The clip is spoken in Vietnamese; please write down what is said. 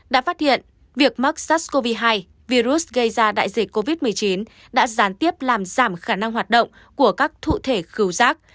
đã phát hiện việc mắc sars cov hai virus gây ra đại dịch covid một mươi chín đã gián tiếp làm giảm khả năng hoạt động của các cụ thể cứu giác